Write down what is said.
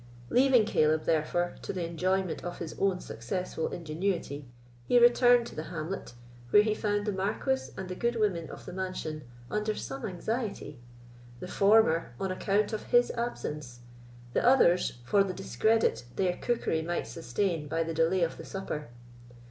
Leaving Caleb, therefore, to the enjoyment of his own successful ingenuity, he returned to the hamlet, where he found the Marquis and the good women of the mansion under some anxiety—the former on account of his absence, the others for the discredit their cookery might sustain by the delay of the supper.